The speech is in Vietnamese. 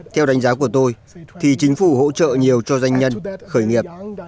theo đánh giá của tôi thì chính phủ hỗ trợ nhiều cho doanh nhân khởi nghiệp